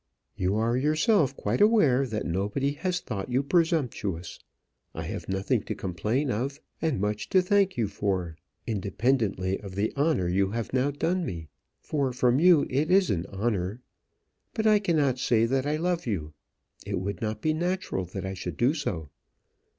You are yourself quite aware that nobody has thought you presumptuous. I have nothing to complain of, and much to thank you for independently of the honour you have now done me; for from you it is an honour. But I cannot say that I love you. It would not be natural that I should do so."